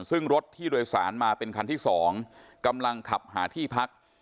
ซึ่งรถที่โดยสารมาเป็นคันที่๒กำลังขับหาที่พัก